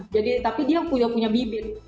jadi tapi dia udah punya bibit